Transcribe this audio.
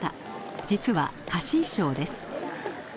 実は貸衣装です。